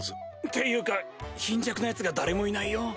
っていうか貧弱なヤツが誰もいないよ？